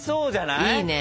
いいね。